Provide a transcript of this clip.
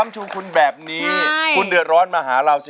สบาย